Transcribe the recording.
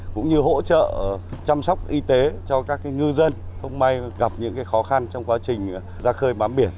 cũng như hỗ trợ chăm sóc y tế cho các ngư dân không may gặp những khó khăn trong quá trình ra khơi bám biển